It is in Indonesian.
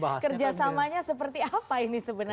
kerjasamanya seperti apa ini sebenarnya